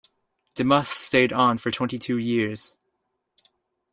DeMuth stayed on for twenty-two years.